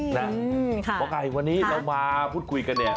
หมอไก่วันนี้เรามาพูดคุยกันเนี่ย